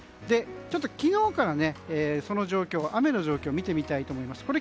ちょっと昨日からの雨の状況を見てみたいと思います。